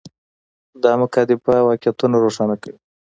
دا مکاتبه واقعیتونه روښانه کوي.